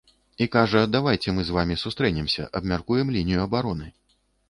І кажа, давайце мы з вамі сустрэнемся, абмяркуем лінію абароны.